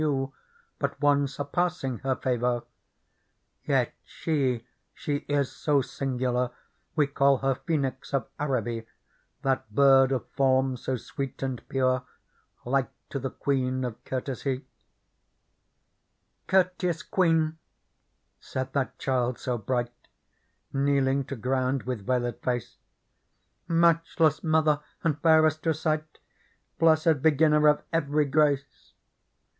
But one surpassing her favour ? Yet she, she is so singular We call her Phoenix of Araby, That bird of form so sweet and pure. Like to the Queen of Courtesy." " Courteous Queen !" said that child so bright, Kneeling to ground with veiled face ;*' Matchless mother and fairest to sight. Blessed beginner of every grace